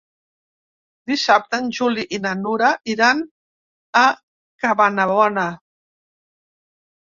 Dissabte en Juli i na Nura iran a Cabanabona.